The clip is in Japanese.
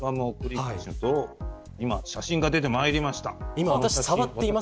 今、写真が出てまいりました。